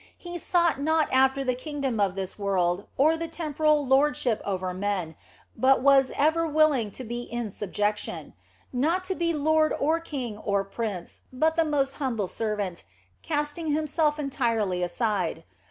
He sought not after the kingdom of this world or the temporal lordship over men, but was ever willing to be in subjection ; not to be lord or king or prince, but the most humble servant, casting Himself entirely aside.